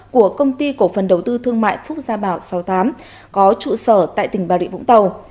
của công ty cổ phần đầu tư thương mại phúc gia bảo sáu mươi tám có trụ sở tại tỉnh bà rịa vũng tàu